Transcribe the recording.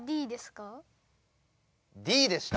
Ｄでした。